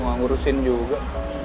nggak ngurusin juga